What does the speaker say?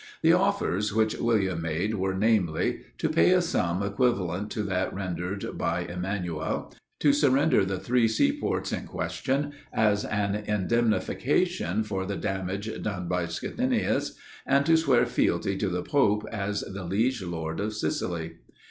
The offers which William made were, namely: to pay a sum equivalent to that tendered by Emanuel; to surrender the three sea ports in question as an indemnification for the damage done by Scitinius; and to swear fealty to the pope as the liege lord of Sicily.